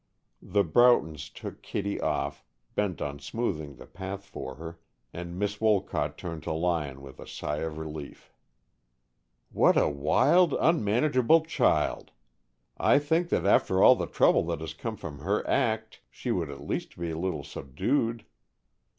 The Broughtons took Kittie off, bent on smoothing the path for her, and Miss Wolcott turned to Lyon with a sigh of relief. "What a wild, unmanageable child! I should think that after all the trouble that has come from her act she would at least be a little subdued."